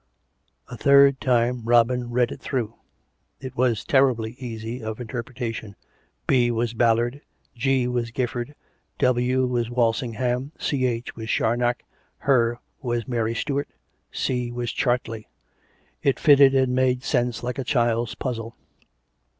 A third time Robin read it through. It was terribly easy of interpretation. " B." was Ballard; " G." was Gifford; " W." was Walsingham; " Ch." was Charnoc; " Her" was Mary Stuart; " C." was Chartley. It fitted and made sense like a child's puzzle.